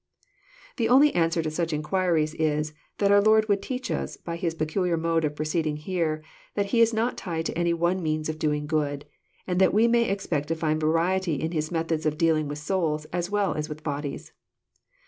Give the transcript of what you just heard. The only answer to such inquiries is, that our Lord would teach us, by His peculiar mode of proceeding here, that He is not tied to any one means of doing good, and that we may expect to find variety in His methods of dealing with souls, as well as with bodies.